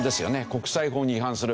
国際法に違反する。